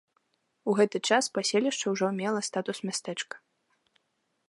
У гэты час паселішча ўжо мела статус мястэчка.